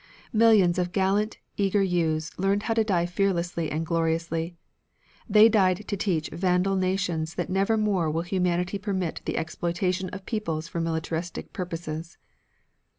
Millions of gallant, eager youths learned how to die fearlessly and gloriously. They died to teach vandal nations that nevermore will humanity permit the exploitation of peoples for militaristic purposes.